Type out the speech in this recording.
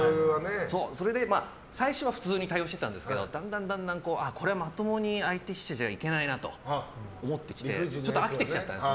それで、最初は普通に対応してたんですけどだんだん、これまともに相手してちゃいけないなと思ってきてちょっと飽きてきちゃったんです